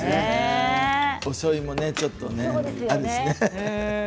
おしょうゆをちょっと垂らしてね。